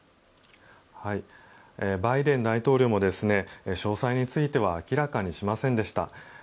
バイデン大統領も詳細については明らかにしませんでした。